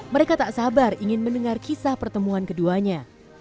mereka tak sabar ingin mendengar kisah pertemuan keduanya